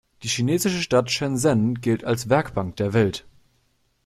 Die chinesische Stadt Shenzhen gilt als „Werkbank der Welt“.